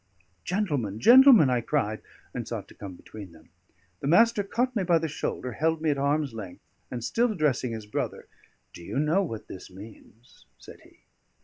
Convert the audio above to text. "Gentlemen, gentlemen," I cried, and sought to come between them. The Master caught me by the shoulder, held me at arm's length, and still addressing his brother: "Do you know what this means?" said he.